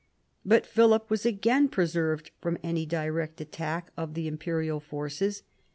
But Philip was again preserved from any direct attack of the imperial forces.